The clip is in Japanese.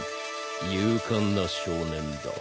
勇敢な少年だ。